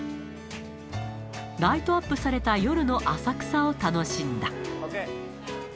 ライトアップされた夜の浅草を楽しんだ。